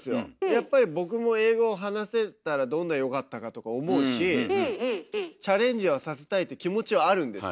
やっぱり僕も英語を話せたらどんなによかったかとか思うしチャレンジはさせたいって気持ちはあるんですよ。